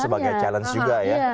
sebagai challenge juga ya